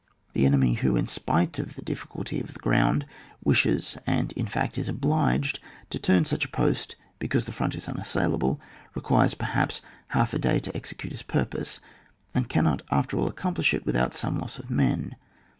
The ene my who, in spite of the difiELculty of the ground, wishes, and in fact is obliged, to turn such a post, because the front is un assailable requires, perhaps, half a day to execute his purpose, and cannot after all accomplish it without some loss of men.